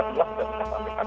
sudah bisa sampaikan